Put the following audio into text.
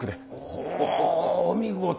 ほうお見事。